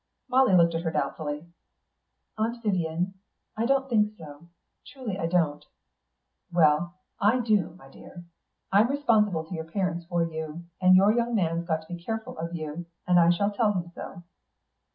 Molly looked at her doubtfully. "Aunt Vyvian, I don't think so. Truly I don't." "Well, I do, my dear. I'm responsible to your parents for you, and your young man's got to be careful of you, and I shall tell him so."